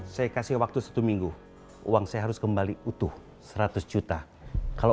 saya kasih waktu satu minggu uang saya harus kembali utuh seratus juta kalau